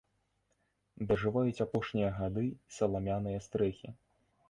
Дажываюць апошнія гады і саламяныя стрэхі.